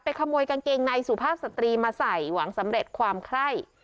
ขโมยกางเกงในสุภาพสตรีมาใส่หวังสำเร็จความไคร่